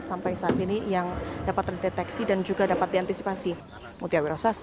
sampai saat ini yang dapat dideteksi dan juga dapat diantisipasi